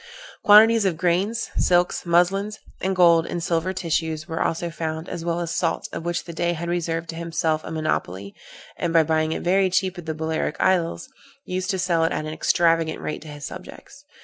Quantities of grain, silks, muslins, and gold and silver tissues were also found, as well as salt, of which the Dey had reserved to himself a monopoly, and, by buying it very cheap at the Balearic Isles, used to sell it at an extravagant rate to his subjects.